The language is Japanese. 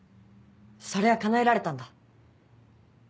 それは叶えられたんだ。